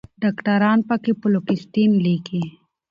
ډاکټران پکښې فلوکسیټين لیکي